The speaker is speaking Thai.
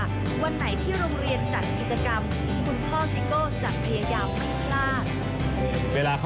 สวัสดีครับ